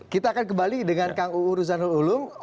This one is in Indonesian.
kita akan kembali dengan kang uu ruzanul ulum